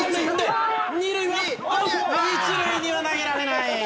二塁に一塁には投げられない」